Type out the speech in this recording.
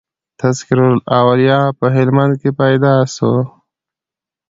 "تذکرةالاولیاء" په هلمند کښي پيدا سو.